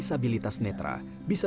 pada tahun tahun ini